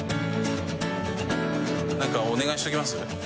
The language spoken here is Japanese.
なんかお願いしときます？